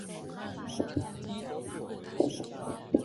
菱叶直瓣苣苔为苦苣苔科直瓣苣苔属下的一个种。